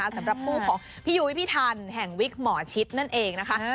สำหรับคู่ของพี่ยุ้ยพี่ทันแห่งวิกหมอชิดนั่นเองนะคะ